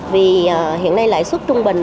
vì hiện nay lãi suất trung bình